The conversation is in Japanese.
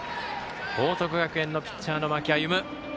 報徳学園のピッチャーの間木歩。